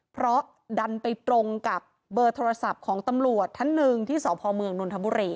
เพราะดันไปตรงกับเบอร์โทรศัพท์ของตำรวจท่านหนึ่งที่สพเมืองนนทบุรี